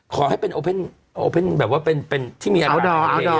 ขอให้เป็นแบบที่มีอะไร